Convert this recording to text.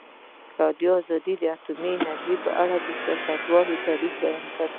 ازادي راډیو د اټومي انرژي په اړه د سیاستوالو دریځ بیان کړی.